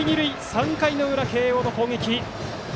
３回の裏、慶応の攻撃。